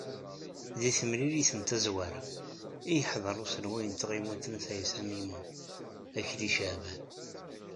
D timlilit n tazwara, i yeḥḍer uselway n tɣiwant n Ayt Ɛisa Mimun Akli Ceεban.